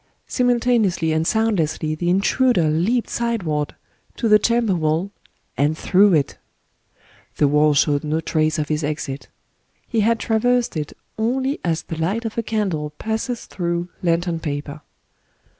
Simultaneously and soundlessly the intruder leaped sideward to the chamber wall, and through it /... The wall showed no trace of his exit. He had traversed it only as the light of a candle passes through lantern paper.